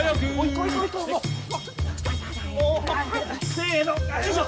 せのよいしょ！